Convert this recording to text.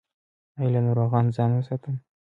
ایا له ناروغانو ځان وساتم؟